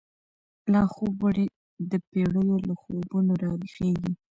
لا خوب وړی دپیړیو، له خوبونو را وښیږیږی